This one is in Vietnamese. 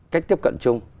cách tiếp cận chung